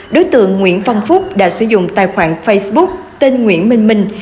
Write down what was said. đối tượng nguyễn phong phúc đã sử dụng tài khoản facebook tên nguyễn minh minh